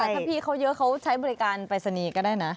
แต่ถ้าพี่เขาเยอะเขาใช้บริการปรายศนีย์ก็ได้นะ